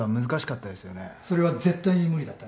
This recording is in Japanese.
それは絶対に無理だったね。